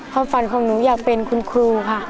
พ่อฟันความรู้อยากเป็นคุณครูค่ะ